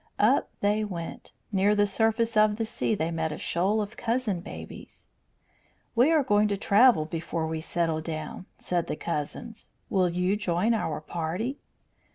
Up they went. Near the surface of the sea they met a shoal of cousin babies. "We are going to travel before we settle down," said the cousins. "Will you join our party?"